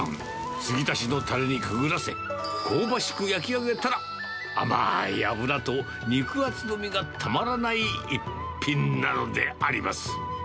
継ぎ足しのたれにくぐらせ、香ばしく焼き上げたら、甘い脂と肉厚の身がたまらない一品なのであります。